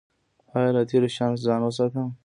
ایا له تیرو شیانو ځان وساتم؟